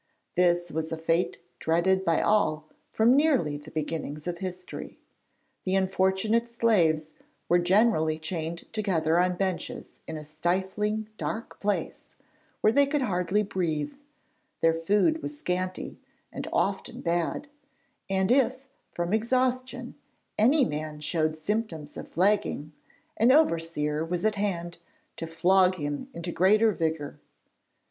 This was a fate dreaded by all from nearly the beginnings of history. The unfortunate slaves were generally chained together on benches in a stifling, dark place, where they could hardly breathe; their food was scanty and often bad, and if from exhaustion any man showed symptoms of flagging, an overseer was at hand to flog him into greater vigour.